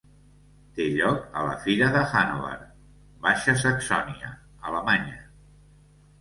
Té lloc a la fira de Hanover, Baixa Saxònia, Alemanya.